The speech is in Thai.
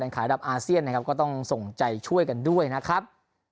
ขายระดับอาเซียนนะครับก็ต้องส่งใจช่วยกันด้วยนะครับ